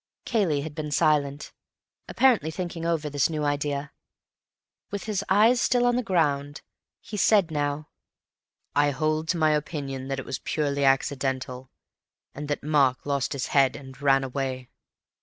Cayley had been silent, apparently thinking over this new idea. With his eyes still on the ground, he said now: "I hold to my opinion that it was purely accidental, and that Mark lost his head and ran away."